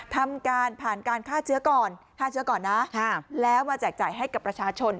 ทำการผ่านการฆ่าเชื้อก่อนฆ่าเชื้อก่อนนะแล้วมาแจกจ่ายให้กับประชาชน